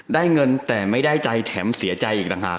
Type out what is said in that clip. ได้เงินแต่ไม่ได้ใจแถมเสียใจอีกต่างหาก